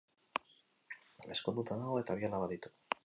Ezkonduta dago eta bi alaba ditu.